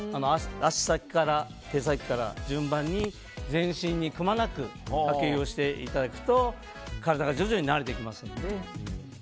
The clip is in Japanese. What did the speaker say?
足先から手先から順番に全身にくまなくかけ湯をしていただくと体が徐々に慣れてきますので。